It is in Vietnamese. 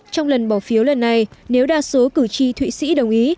trong lần bỏ phiếu lần này nếu đa số cử tri thụy sĩ đồng ý